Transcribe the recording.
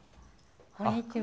こんにちは。